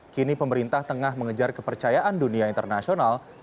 kini pemerintah tengah mengejar kepercayaan dunia internasional